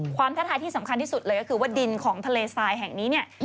ท้าทายที่สำคัญที่สุดเลยก็คือว่าดินของทะเลทรายแห่งนี้เนี่ย